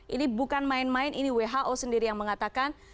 ini bukan main main ini who sendiri yang mengatakan